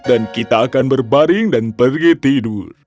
dan pergi tidur